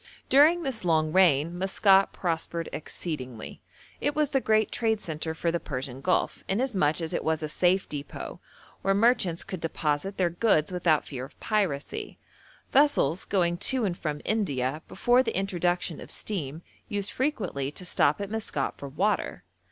During this long reign Maskat prospered exceedingly. It was the great trade centre for the Persian Gulf, inasmuch as it was a safe depôt, where merchants could deposit their goods without fear of piracy; vessels going to and from India before the introduction of steam used frequently to stop at Maskat for water.